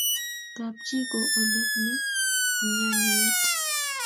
kap chii ko ole mi chamiyet